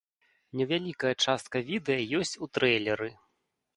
Невялікая частка відэа ёсць у трэйлеры.